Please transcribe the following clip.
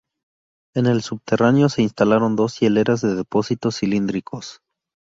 En el subterráneo se instalaron dos hileras de depósitos cilíndricos.